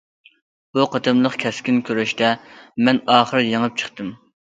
بۇ قېتىملىق كەسكىن كۈرەشتە مەن ئاخىرى يېڭىپ چىقتىم.